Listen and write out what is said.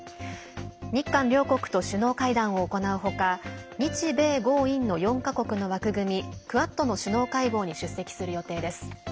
日韓両国と首脳会談を行うほか日米豪印の４か国の枠組みクアッドの首脳会合に出席する予定です。